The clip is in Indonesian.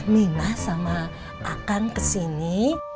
minah sama akan kesini